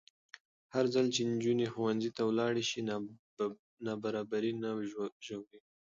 هرځل چې نجونې ښوونځي ته ولاړې شي، نابرابري نه ژورېږي.